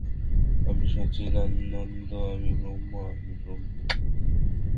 আমি সচ্চিদানন্দ, আমি ব্রহ্ম, আমি ব্রহ্ম।